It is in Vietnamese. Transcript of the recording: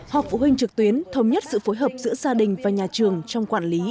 học phụ huynh trực tuyến thống nhất sự phối hợp giữa gia đình và nhà trường trong quản lý